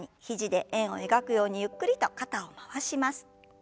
肘で円を描くようにゆっくりと肩を回します。